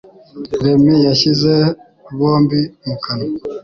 Remmy yashyize bombo mu kanwa.